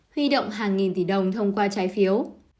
huy động hàng nghìn tỷ đồng thông qua trái phiếu